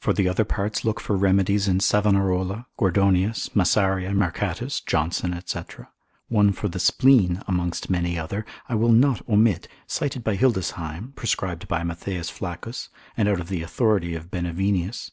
For the other parts look for remedies in Savanarola, Gordonius, Massaria, Mercatus, Johnson, &c. One for the spleen, amongst many other, I will not omit, cited by Hildesheim, spicel. 2, prescribed by Mat. Flaccus, and out of the authority of Benevenius.